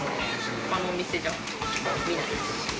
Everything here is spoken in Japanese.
他のお店じゃ見ないです。